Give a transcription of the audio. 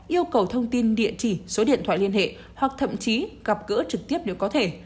yêu cầu thông tin địa chỉ số điện thoại liên hệ hoặc thậm chí gặp gỡ trực tiếp nếu có thể